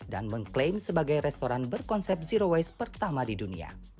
dan mengklaim sebagai restoran berkonsep zero waste pertama di dunia